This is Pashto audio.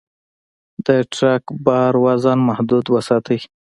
د ټرک بار وزن محدود وساتئ.